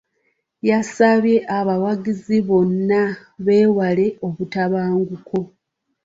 Yasabye abawagizi bonna beewaale obutabanguko.